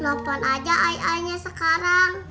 lopon aja ay aynya sekarang